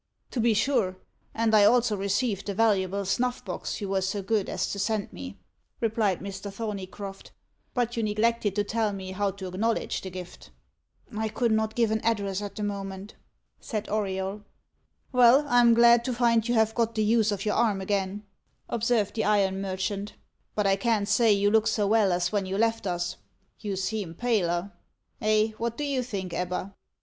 "To be sure; and I also received the valuable snuffbox you were so good as to send me," replied Mr. Thorneycroft. "But you neglected to tell me how to acknowledge the gift." "I could not give an address at the moment," said Auriol. "Well, I am glad to find you have got the use of your arm again," observed the iron merchant; "but I can't say you look so well as when you left us. You seem paler eh? what do you think, Ebba?"